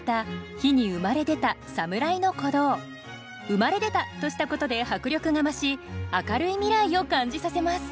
「生まれ出た」としたことで迫力が増し明るい未来を感じさせます。